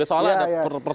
soalnya ada persoalan